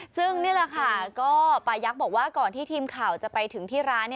ซึ่งนี่แหละค่ะก็ปายักษ์บอกว่าก่อนที่ทีมข่าวจะไปถึงที่ร้าน